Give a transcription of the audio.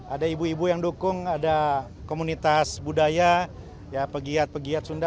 ada ibu ibu yang dukung ada komunitas budaya pegiat pegiat sunda